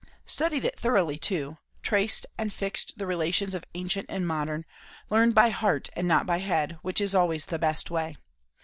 Studied it thoroughly, too; traced and fixed the relations of ancient and modern; learned by heart and not by head, which is always the best way.